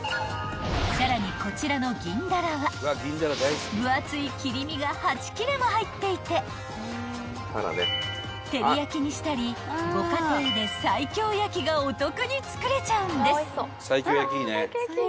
［さらにこちらの銀ダラは分厚い切り身が８切れも入っていて照り焼きにしたりご家庭で西京焼きがお得に作れちゃうんです］